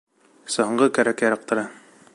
Саңғы кәрәк-ярҡтары